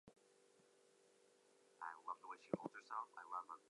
Other features, such as tracking changes, were made more similar with Office for Windows.